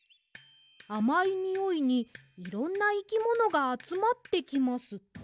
「あまいにおいにいろんないきものがあつまってきます。